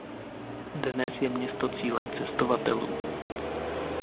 Dnes je město cílem cestovatelů.